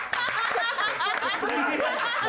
ハハハハ！